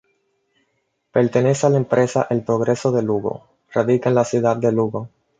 Pertenece a la empresa El Progreso de Lugo, radicada en la ciudad de Lugo.